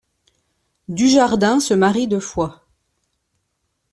Dujardin se marie deux fois.